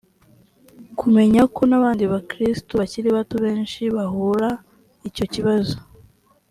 kumenya ko n abandi bakristo bakiri bato benshi bahura icyo kibazo